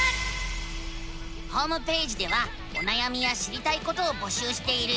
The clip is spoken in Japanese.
ホームページではおなやみや知りたいことを募集しているよ。